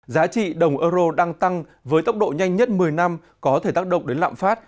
giá trị đồng euro đang tăng với tốc độ nhanh nhất một mươi năm có thể tác động đến lạm phát